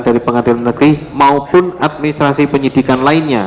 dari pengadilan negeri maupun administrasi penyidikan lainnya